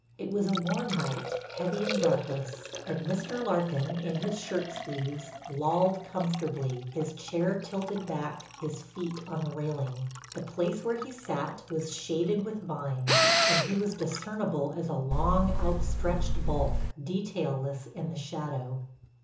It was a warm night, heavy and breathless, and Mr. Larkin, in his shirt sleeves, lolled comfortably, his chair tilted back, his feet on the railing. The place where he sat was shaded with vines, and he was discernible as a long, out stretched bulk, detailless in the shadow.